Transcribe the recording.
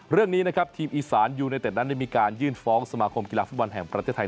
เรื่องนี้นะครับทีมอีสานยูเนเต็ดนั้นได้มีการยื่นฟ้องสมาคมกีฬาฟุตบอลแห่งประเทศไทย